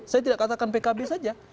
saya katakan pkb saja